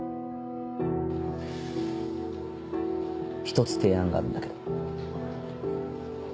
一つ提案があるんだけど。